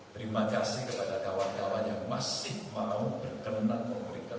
terima kasih kepada kawan kawan yang masih mau berkenan memberikan